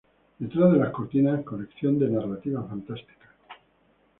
Detrás de las cortinas: colección de narrativa fantástica.